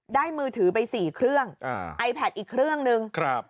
มือถือไปสี่เครื่องอ่าไอแพทอีกเครื่องนึงครับ